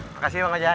makasih bang wajab